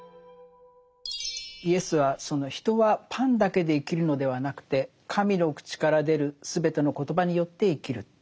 イエスは「人はパンだけで生きるのではなくて神の口から出る全ての言葉によって生きる」というふうに言ってましたね。